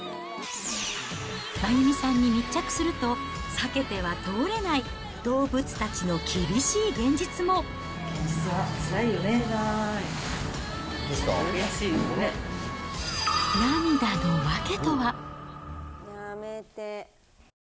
真弓さんに密着すると、避けては通れない動物たちの厳しい現菊池）